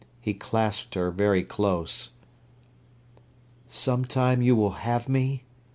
He clasped her very close. "Sometime you will have me?"